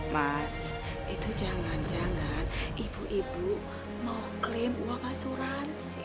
mas itu jangan jangan ibu ibu mengklaim uang asuransi